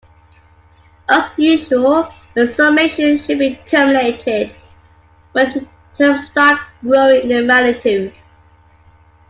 As usual, the summation should be terminated when the terms start growing in magnitude.